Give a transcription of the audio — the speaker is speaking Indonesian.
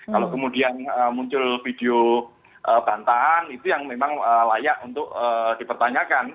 kalau kemudian muncul video bantahan itu yang memang layak untuk dipertanyakan